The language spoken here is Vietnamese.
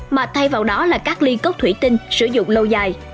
mà thay vào đó là các ly cốc thủy tinh sử dụng lâu dài